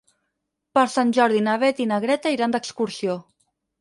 Per Sant Jordi na Beth i na Greta iran d'excursió.